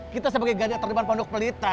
kita sebagai gadis terdampar pondok pelita